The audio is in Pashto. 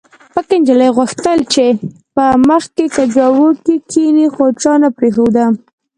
پکه نجلۍ غوښتل چې په مخکې کجاوو کې کښېني خو چا نه پرېښوده